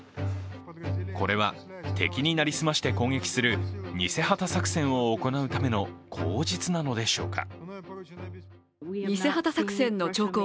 これは敵に成り済まして攻撃する偽旗作戦を行うための口実なのでしょうか。